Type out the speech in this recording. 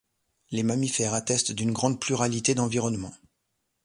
Les mammifères attestent d'une grande pluralité d'environnements.